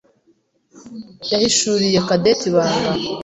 yahishuriye Cadette ibanga.